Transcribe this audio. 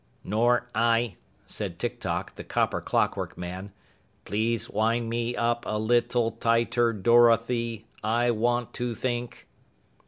"Nor I," said Tik Tok, the copper clockwork man. "Please wind me up a lit tle tight er Dor o thy, I want to think!"